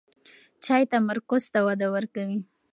چای تمرکز ته وده ورکوي.